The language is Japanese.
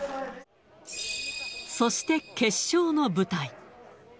そして、決勝の舞台。